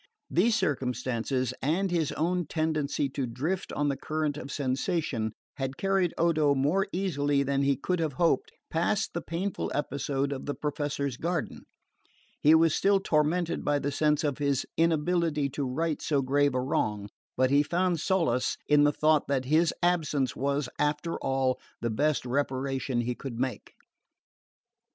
These circumstances, and his own tendency to drift on the current of sensation, had carried Odo more easily than he could have hoped past the painful episode of the Professor's garden. He was still tormented by the sense of his inability to right so grave a wrong; but he found solace in the thought that his absence was after all the best reparation he could make.